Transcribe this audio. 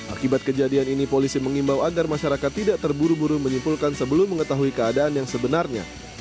akibat kejadian ini polisi mengimbau agar masyarakat tidak terburu buru menyimpulkan sebelum mengetahui keadaan yang sebenarnya